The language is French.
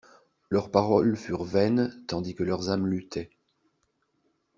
Leurs paroles furent vaines, tandis que leurs âmes luttaient.